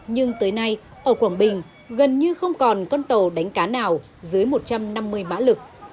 nhưng tới nay ở quảng bình gần như không còn con tàu đánh cá nào dưới một trăm năm mươi mã lực